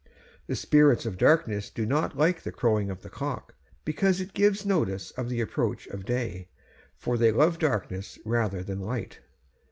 'The spirits of darkness do not like the crowing of the cock, because it gives notice of the approach of day, for they love darkness rather than light....